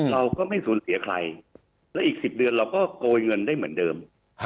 เราก็ไม่สูญเสียใครและอีก๑๐เดือนเราก็โกยเงินได้เหมือนเดิม